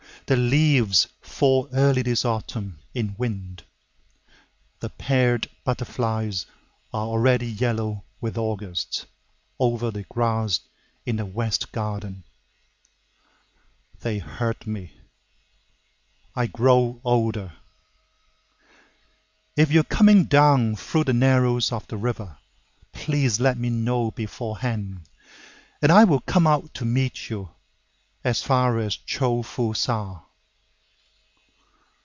The leaves fall early this autumn, in wind. The paired butterflies are already yellow with AugustOver the grass in the west garden—They hurt me.I grow older. If you are coming down through the narrows of the river, Please let me know beforehand, And I will come out to meet you, As far as Cho fu Sa.